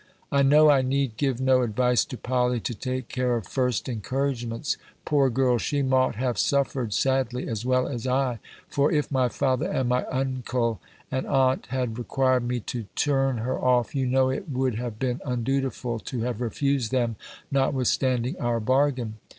"I knowe I neede give no advice to Polley, to take care of first encouragements. Poor girl! she mought have suffer'd sadly, as welle as I. For iff my father, and my unkell and aunte, had requir'd mee to turne her off, you know itt woulde have been undutifull to have refused them, notwithstanding our bargaine.